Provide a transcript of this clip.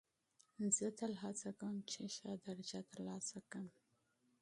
زه تل هڅه کوم، چي ښه درجه ترلاسه کم.